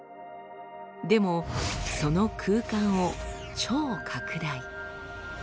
でもその空間を超拡大。